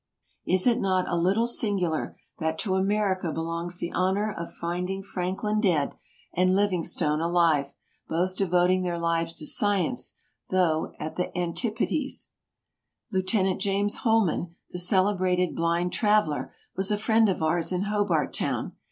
Is it not a little singular that to America belongs the honor of finding Franklin dead SKETCHES OF TRAVEL and Livingstone alive, both devoting their lives to science, though at the antipodes ? Lieut. James Holman, the celebrated blind traveler, was a friend of ours in Hobart Town.